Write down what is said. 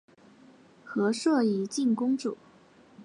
和硕悫靖公主。